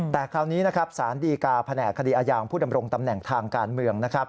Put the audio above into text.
แต่คราวนี้สารดีกาแผนกคดีอาญาผู้ดำรงตำแหน่งทางการเมือง